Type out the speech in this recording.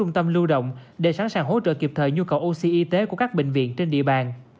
trung tâm lưu động để sẵn sàng hỗ trợ kịp thời nhu cầu oxy y tế của các bệnh viện trên địa bàn